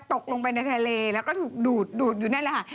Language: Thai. ตกลงไปในทะเลแล้วก็ถูกดูดดูดอยู่อย่างนั้นแหล่ะค่ะ